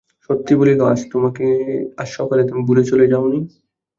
সত্যি বলো, আজ সকালে তুমি ভুলে চলে যাও নি?